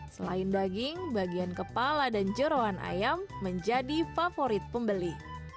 selain daging bagian kepala dan jerawan ayam menjadi favorit pembeli